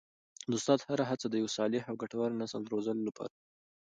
د استاد هره هڅه د یو صالح او ګټور نسل د روزلو لپاره وي.